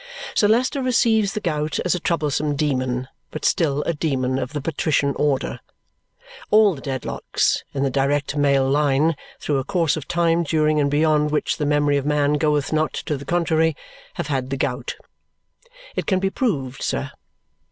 Sir Leicester receives the gout as a troublesome demon, but still a demon of the patrician order. All the Dedlocks, in the direct male line, through a course of time during and beyond which the memory of man goeth not to the contrary, have had the gout. It can be proved, sir.